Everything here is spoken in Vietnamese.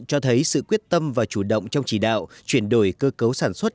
cho thấy sự quyết tâm và chủ động trong chỉ đạo chuyển đổi cơ cấu sản xuất